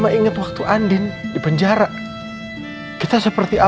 mama inget waktu adin di penjara atas kejahatan